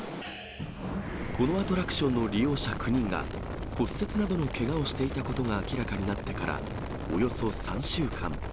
このアトラクションの利用者９人が、骨折などのけがをしていたことが明らかになってからおよそ３週間。